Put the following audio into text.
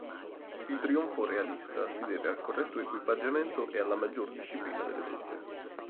Il trionfo realista si deve al corretto equipaggiamento e alla maggiore disciplina delle truppe.